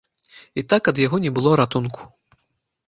І так ад яго не было ратунку.